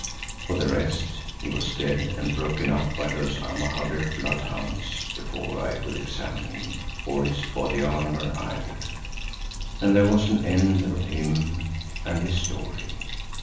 For the rest, he was dead and broken up by those Amahagger blood hounds before I could examine him, or his body armour either, and there was an end of him and his story.